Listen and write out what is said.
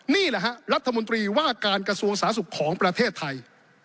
นี่แหละฮะรัฐมนตรีว่าการกระทรวงสาธารณสุขของประเทศไทย